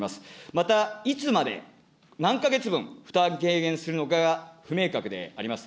またいつまで、何か月分、負担軽減するのかが不明確であります。